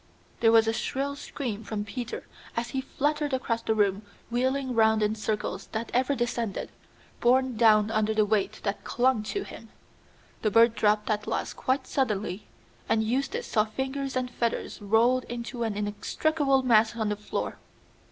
There was a shrill scream from Peter as he fluttered across the room, wheeling round in circles that ever descended, borne down under the weight that clung to him. The bird dropped at last quite suddenly, and Eustace saw fingers and feathers rolled into an inextricable mass on the floor.